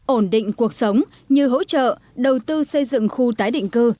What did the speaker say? ổn định cuộc sống như hỗ trợ đầu tư xây dựng khu tái định cư